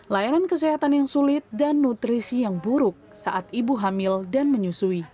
layanan kesehatan yang sulit dan nutrisi yang buruk saat ibu hamil dan menyusui